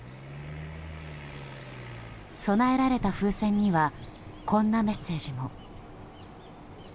供えられた風船にはこんなメッセージも。